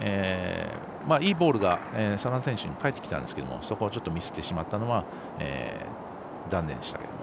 いいボールが眞田選手に返ってきたんですけどそこをミスってしまったのは残念でしたけれども。